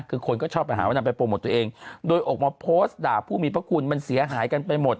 คือคนก็ชอบไปหาว่านำไปโปรโมทตัวเองโดยออกมาโพสต์ด่าผู้มีพระคุณมันเสียหายกันไปหมด